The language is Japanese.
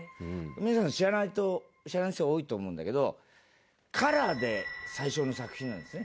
皆さん知らないと知らない人が多いと思うんだけどカラーで最初の作品なんですね